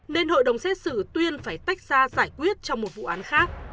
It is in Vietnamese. nên hội đồng xét xử tuyên phải tách ra giải quyết trong một vụ án khác